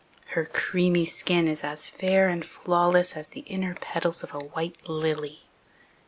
Her creamy skin is as fair and flawless as the inner petals of a white lily.